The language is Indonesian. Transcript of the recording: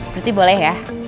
berarti boleh ya